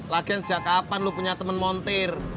lagian sejak kapan lu punya temen montir